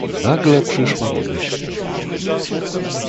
"Nagle przyszła mi myśl do głowy."